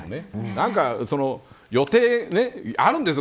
何か予定があるんですよ